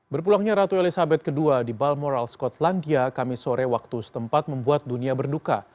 berpulangnya ratu elizabeth ii di balmoral skotlandia kami sore waktu setempat membuat dunia berduka